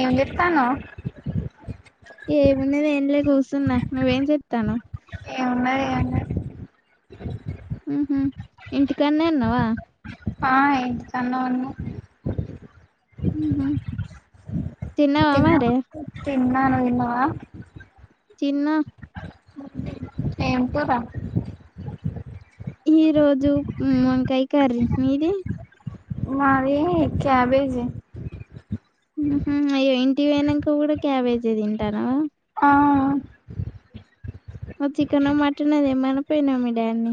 ఏం చేస్తున్నావ్ ఏ ఉన్నది ఏంలే కూసున్న నువ్వేం చేస్తానవు ఏమున్నది ఏమో లే ఉహ ఇంటికాన్నే ఉన్నావా ఆ ఇంటికానే ఉన్న ఉహు తిన్నవా మరి తిన్న నువ్వు తిన్నావా తిన్న ఏం కూర ఈ రోజు ముంకైకరి మీది మాది క్యాబేజ ఉహు అయ్యో ఇంటికి పోయినాక కూడా క్యాబేజీ తింటానావా ఆ ఓ చికెనో మటనో తిమ్మన పోయినా మీ డాన్ని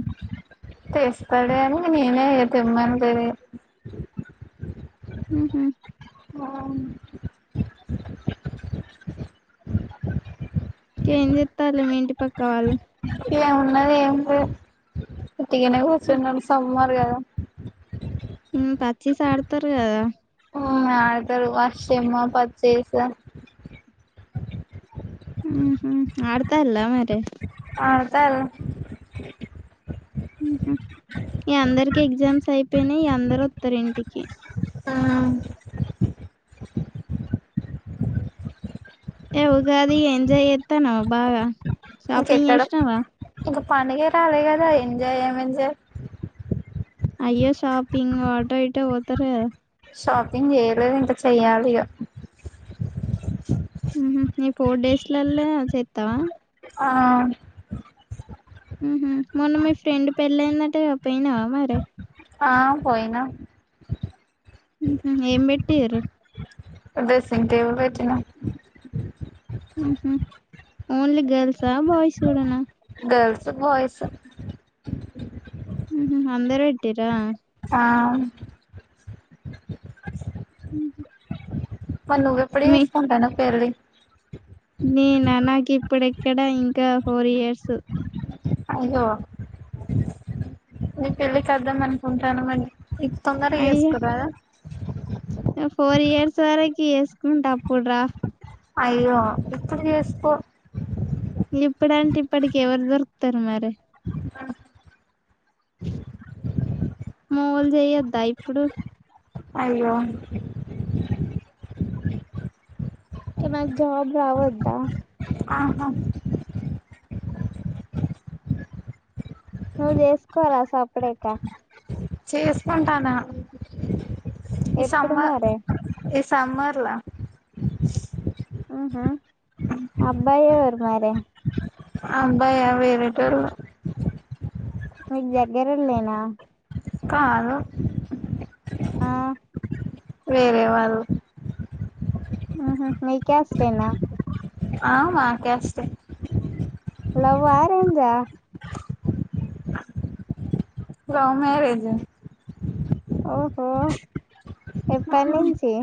తెస్తాడే అని నేనే తెమ్మన్లే ఉహు ఎం చెత్తళ్ళు మీ ఇంటి పక్క వాళ్ళు ఏమున్నది ఏంలే ఊటీగా నే కుసున్మం సం గదా ఉమ్ పచ్చిస్ ఆడతరు కదా అవ్నడుతారు వర్షమ పచ్చేస ఉ హ ఆడతాల్లా మరి అడ్తరు ఉహు ఈ అందరికి ఎగ్జామ్స్ అయిపోయినయి ఈగ అందరు ఒత్తరింటికి ఆ ఎవుగాది ఎంజాయ ఎత్తానవ బాగా షాపింగ్ చేసినవా పండగ రాలే కదా ఎంజయ్ ఏం ఎంజాయ్ అయ్యో షాపింగ్ అటో ఇటో ఒతరు గద షాపింగ్ జేయలేదు ఇంకా చెయ్యాలి ఇగ ఊమ్ ఈ ఫోర్ డేస్ ల లా చెత్తవ ఆ ఉహు మొన్న మీ ఫ్రెండ్ పెళ్ళయిందంటగా పోయినవ మరి ఆ పోయినా ఊహ్మ్ ఏం బేటిరు డ్రెస్సింగ్ టేబుల్ పెట్టినం ఊహ్మ్ ఓన్లీ గర్ల్స బాయిస్ గూడనా గల్స్ బాయస్ ఊహ్మ్ అందరు వెట్టీరా అవున్ మరి నువ్వుప్పుడే మీ చేస్కుంటన్నవ్ పెళ్లి [unintelligible] నీ నానకి ఇప్పుడెక్కడ ఇంకా ఫోర్ ఇయర్స్ అయ్యో నీ పెళ్ళి కద్దాం అనుకుంటనమండి ఇక్ తొందర అయ్యా చేసుకురాదు [unintelligible] ఫోర్ ఇయర్స్ వరకు వేసుకుంటప్పుడ్రా అయ్యో ఇప్పుడు చేసుకో ఇప్పుడంటే ఇప్పటికి ఎవరు దొరుకుతారు మరి మావొలు చెయొద్దా ఇప్పుడు అయ్యో [unintelligible] మాకు జాబ్ రావద్ద ఆహా నువ్వు చేసుకోరా సపడేకా చేసుకుంటాను ఎప్పుడు ఈసమ్మ మరే ఈస సమర్లా ఊహ్మ్ అబ్బాయేవరు మరి అబ్బాయా వేరటోడు మీకు దగ్గరోలేనా కాదు ఆ వేరే వాళ్ళు ఊహ్మ్ మీక్యాస్టేనా ఆ మా క్యాస్ట్ ఏ లవ్ ఆ అరెంజ్ ఆ లవ్ మ్యారేజు. ఓహో! ఏపనించి?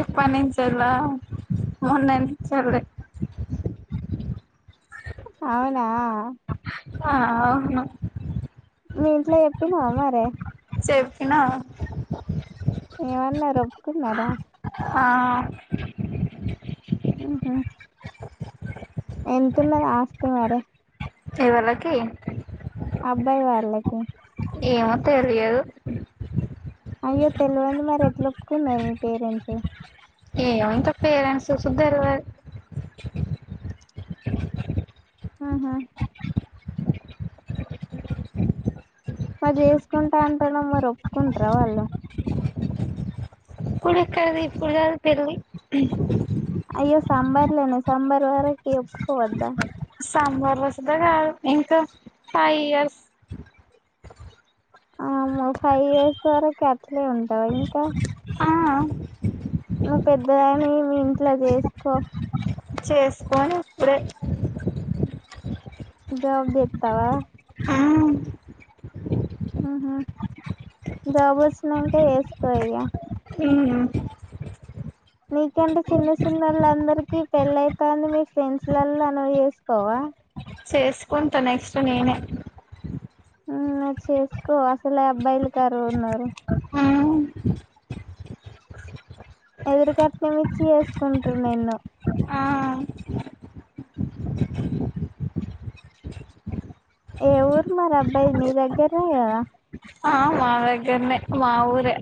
ఎప్పనించల, మొన్న నించలే. అవునా! అ, అవును. మీ ఇంట్లో ఏపినవా మరి? సేప్పిన. ఏమన్నరు, ఒప్పుకున్నారా? హా. అహ ఎంతున్నది ఆస్తే మరే? ఎవళకి? అబ్బాయి వాళ్ళకి? ఏమో తెలియదు. అయ్యో తెలివనిది మరి ఎట్ల ఒప్పుకున్నారు మరి మీ పేరెంట్స్? ఏ [unintelligible] పేరెంట్స్కి తెల్వదు ఆహా మరి చేసుకుంటా అంతున్నావ్ మరి ఒప్పుకుంటార వాళ్ళు? ఇప్పుడేక్కడిది ఇప్పుడు కాదు పేళ్లి అయ్యో సామ్మర్ లోనే సామ్మర్ వరకిఒప్పు కోద్దా సమ్మెర్ లో అస్సల కాదు. ఇంకా? ఫై ఇయర్స్ ఆ ఫైవ్ ఇయర్స్ వరకు అట్లే ఉంటావా ఇంకా హా.. ను పెద్దదానివి మీ ఇంట్లో చేసుకో చేసుకొను ఇప్పుడే జాబ్ చేత్తావా? హమ్ ఉహ్మ్. జాబ్ వొచ్చినంక ఎస్కొ ఇగ. హమ్ నీకంటే చిన్న చిన్న వాళ్ళందరికీ పెళ్ళైతంది. మీ ఫ్రెండ్స్లలో నువు చేసుకోవా? చేసుకుంట నెక్స్ట్ నేనే. ఉ ఇక చేసుకో అసలే అబ్బాయిలు కరువు ఉన్నారు మ్మ్ ఎదురు కట్నంమిచ్చి వేసుకుంటరు నిన్ను ఆ ఏ ఊరు మరి అబ్బాయిది మీ దగ్గరనే కద ఆ మాదగ్గరనే మావూరె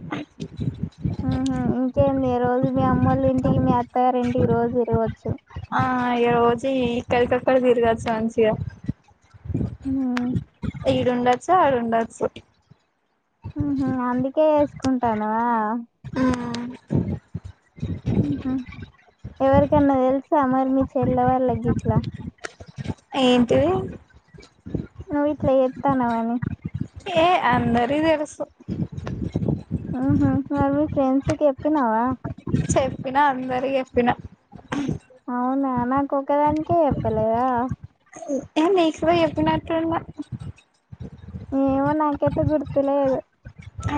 ఇంకేడి రోజు మీ అమ్మళ్ల ఇంటికి మీ అత్తగారు ఇంటికి రోజు తిరగవచ్చు ఆ ఏ రోజు ఈ కలికక్కదిర్గాచ్చు మంచిగా మ్మ్ ఈడుండచ్చ ఆడుండోచ్చు మ్మ్ అందుకే వేసుకుంటానా ఉమ్ ఆ ఎవరికన్నా తెలుసా మరి మీ చెల్లవల్ల కి గిట్ల ఏంటివి నువు ఇట్ల చేత్తానవ్ అని ఏ అందరికి తెలుసు హ మరి మీ ఫ్రెండ్స్కి చెప్పినావా చెప్పినా అందరి చెప్పిన అవునా నాకు ఒకదానికే చెప్పలేదా ఏ నీకు కూడా చెప్పినట్టున్నా ఏమో నాకైతే గుర్తులేదు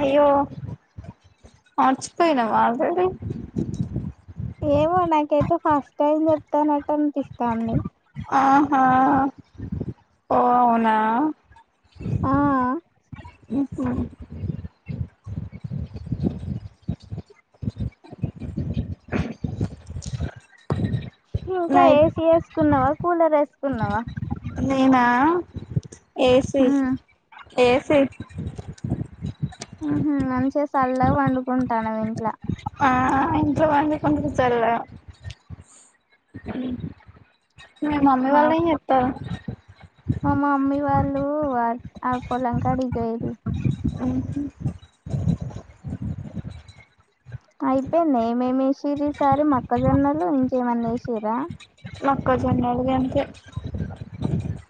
అయ్యో మార్చిపోయినవా ఆల్రెడీ ఏమో నాకైతే ఫస్ట్ టైం చెప్తానట్టు అనిపిస్తాంది ఆహా ఓ అవునా ఆ మ్మ్ హ్మ్ ఇంకా నైట్ ఏసి వేసుకున్నవు కూలర్ వేసుకున్నవా నేనా ఏసి ఉమ్ ఏ సే హ్మ్ మంచిగా సల్లాగా పండుకుంటనవ్ ఇంట్ల ఆ అయంత [inaudible] మ్మ్ మీ మమ్మీ వాళ్ళ ఏం చేస్తారు మా మా మమ్మీ వాళ్ళు ఆ పొలం కాడికి పోయిరు అయిపోయిందా ఏం ఏం వేసిరు ఈసారి మోక్కజొన్నలు ఇంకేమన్న వేసిరా మక్కజొన్నలుగా అంతే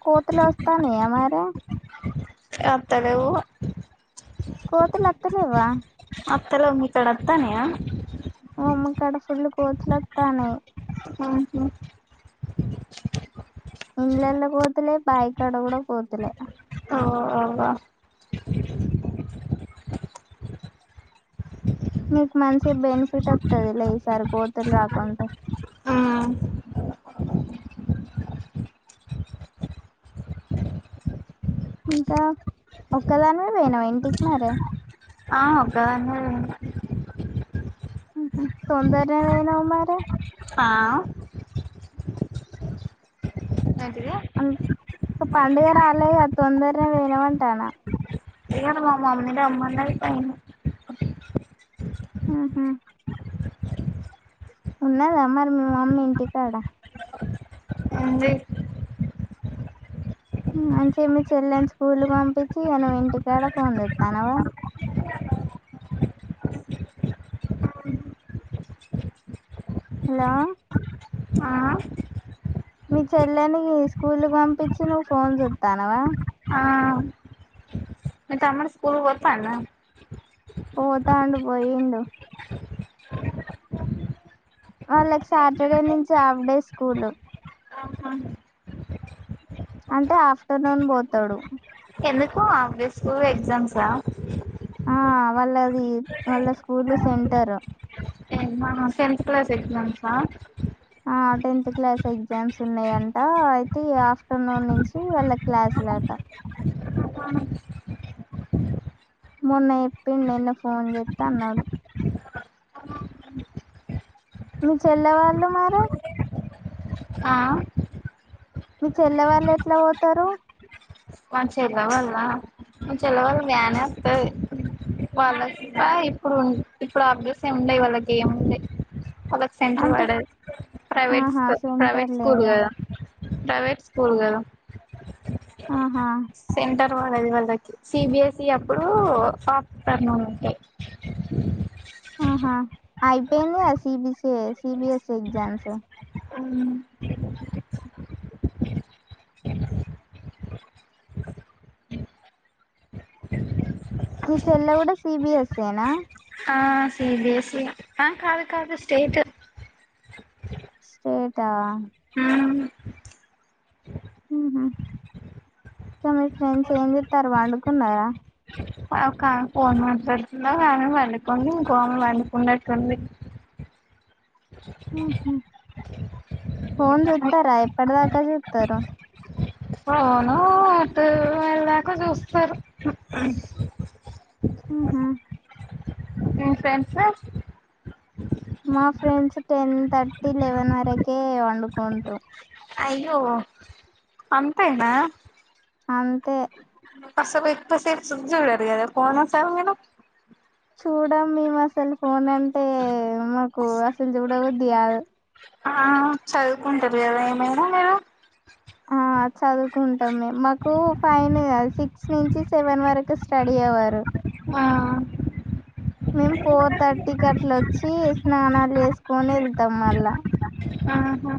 కోతిలు వస్తానయా మరి ఎత్తలేవు కోతులు వాథలేవా అత్తలో మీ ఇక్కడ వత్తనయ మా కాడ ఫుల్ కోతులు వాతానే ఆహా ఇళ్లలో కోతులే బైయి కాడా కూడా కోతులే ఓ అవ్వ మీకు మంచి బెనిఫిట్ వస్తదిలే ఈసారి కోతులు రాకుంటె ఉమ్ ఇంకా ఒక్కదాని మీ పోయినాం ఇంటికి మరే ఆ ఒక్కదానినే పోయిన తొందరనే పోయినవు మరీ ఆ ఏంటిది పండుగా రాలే తొందరనే పోయినవ్ అంటన్న ఇ మామ మమ్మీద అమ్మ అంద పైనా ఆహా ఉన్నదా మరి మీ మమ్మీ ఇంటికాడ ఏంది అని చెమి చెల్లెని స్కూల్కి పంపించిే నువ్ ఇంటికాడ ఫోన్ తెస్తానవా హలో ఆ మీ చెల్లెనికి స్కూల్కు పంపించి నువ్వు ఫోన్ చూస్తానవా మ తమరి స్కూల్ వప్పా పోతాం పోయిండ వాళ్ళకి సాటర్డే నుంచి హాఫ్ డే స్కూల్ అంటే ఆఫ్టర్నూన్ పోతాడు ఎందుకు అ బస్కూ ఎక్జామ్సా ఆ వాళ్ళది వాళ్ళ school centre ten class exams ఆ టెన్త్ క్లాస్ ఎగ్జామ్స్ ఉన్నాయంట అయితే ఆఫ్టర్నూన్ నుంచి వెళ్ళ క్లాసులట మొన్న చెప్పిడు నిన్న ఫోన్ చేస్తా అన్నాడు మీ చెల్లె వాళ్ళు మరి ఆ మీ చెల్లె వాళ్ళు ఎట్లా పోతారు మా చెల్లె వాళ్ళ మా చెల్ల వాళ్ళ ్యానే వస్తది వాళ్ళ ఇప్పుడు ఇప్పుడు అభడెస ఏ ఉండయి వాళ్ళకి ఏమ్ ఉే వాళకి సెంటర్ అంటే పడది ఆహా ప్రైవేట్కూ సెంటర్ ప్రైవేట్ స్కూల్ లేదా కదా ప్రైవేట్ స్కూల్గాద ఆహా సెంటర్ వాళ్ళది వాళ్ళకి సిబిఎస్ఈ అప్పుడు పాపు కర్ణలు ఉంటాయి హా ఆఐపి సబస సిీబిఎస్ ఎజామ్స్ మీ చెల్ల కూడా కూడా సిబిఎస్ఏేనా ఆ సిబిఎస్ఈ బం కా అదు కాదు స్టేట్ స్టేటా హ సో మీ ఫ్రెండ్స్ ఏం చెతారు వండుకున్నారా ఆమె ఫోన్ మాట్లాడుతున్నా ఆమె వళకోండి ఇంకో ఆమె వంళకున్నట్టుంది హ ఫోన్ చూతారా ఎప్పటి దాకా చూతారు పోఓనా అట వెళ్దక చూస్తస్తారు హ హమ్ ఫ్రెండ్స్ ఫ మా ఫ్రెండ్స్ టెన్ థర్టీ లెవెన్ వరకే వండుకుంటారు అయ్యో అంతాయనా అంతే ప పో త సె జుడారు గద కోనసా మీల చూడం మేము అసలు ఫోన్ అంటే మాకు అసలు చూడవద్ది ఆ చదువుకుంటారు కదా ఏమైనా మీరు ఆ చదువుకుంటాం మే మాకు ఫైన్ సిక్స్ నుంచి సెవెన్ వరకు స్టడీ అయవారు ఆ మేము ఫోర్ థర్టీకి అట్లొచ్చి స్నానాలు వేసుకొని వెళ్తాం మళ్ళా ఆహా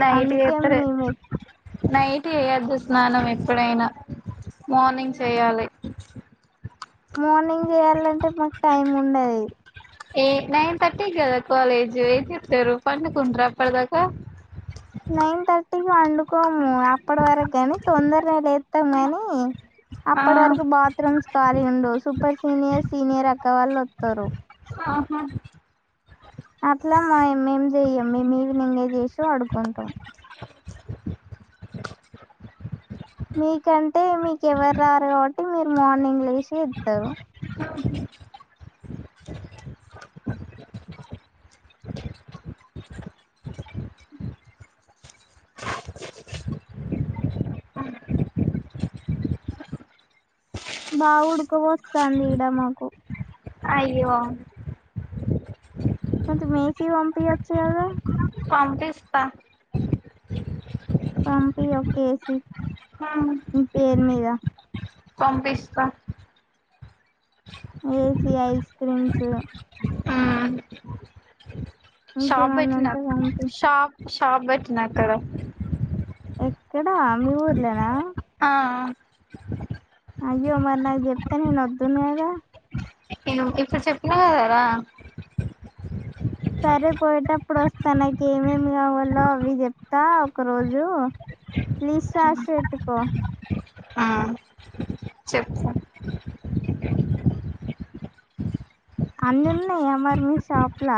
నైట్ అందుకే ఎత్ర మేము నైట్ చేయొద్దు స్నానం ఎప్పుడైనా మార్నింగ్ చేయ్యాలి మార్నింగ్ చేయాలంటే మాకు టైం ఉండది ఏ నైన్ థర్టీ కదా కాలేజు ఏయి చెప్తారు పండుకుంటారు అప్పటిదాకా నైన్ త ఇటికి పండుకోము అప్పటి వరకు కాని తొందరగా లేస్తాము ని ఆ అప్పటి వరకు బాత్రూమ్స్ ఖాళీ ఉండొ సూపర్ సీనియర్ సీనియర్ అక్కవాళ్ళు వస్తారు ఆహా అట్లా మేం చెయ్యం మేము ఈవినింగ్ ఏ చేసి పడుకుంటాం మీకంటే మీకు ఎవరు రారు కాబట్టి మీరు మార్నింగ్ లేసి ఇస్తారు బా ఉడుక పోస్తాంది ఈడ మాకు అయ్యో కొంచెం ఏసీ పంపియొచ్చుకదా పంపిస్తా పంపి ఒక ఏసి హ్మ్ మీపేరు మీద పంపిస్తా ఏసి ఐస్ క్రీమ్స్ మ్మ్ షాప్ ఇంకేమన్నా పెట్టిన ఉంటే పంపి షా షాప్ పెట్టిన అక్కడా ఎక్కడా మీ ఊర్లోనా ఆ అయ్యో మరి నాకు చెప్తే నేను వదును కదా నేను ఇప్పుడు చెప్పినా కదా రా సరే పోయిటప్పుడు వ తనకి ఏమేమి కావాలో అవి చెప్తా ఒక రోజు లిస్ట్ రాసి పెట్టుకో ఆ చెప్తా అనునాయ మరి మీ షాపుల